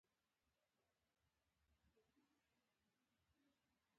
استاد د فکرونو له منځه خنډونه لیري کوي.